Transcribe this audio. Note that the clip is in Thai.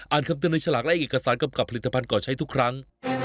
คำเตือนในฉลากและเอกสารกำกับผลิตภัณฑ์ก่อใช้ทุกครั้ง